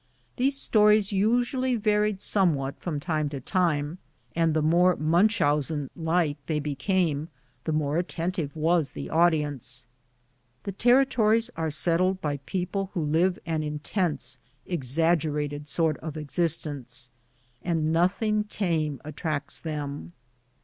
These stories usually varied somewhat from time to time, and the more Munchausen like they be came the more attentive was the audience. The territories are settled by people who live an in tense, exaggerated sort of existence, and nothing tame attracts them.